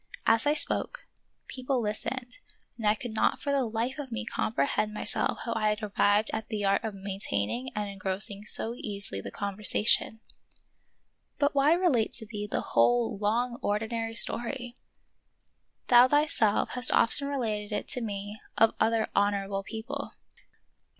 As I spoke, people listened, and I could not for the life of me com prehend myself how I had arrived at the art of maintaining and engrossing so easily the con versation. #*## But why relate to thee the whole long ordinary story ? Thou thyself hast often related it to me of other honorable people.